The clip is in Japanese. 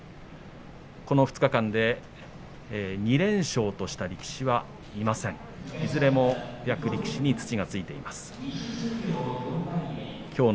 この２日間で２連勝とした力士はいません。